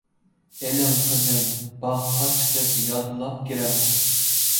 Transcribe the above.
-ئېلىڭ، قىزىم، باغقا چىقىپ يادلاپ كىرىڭ.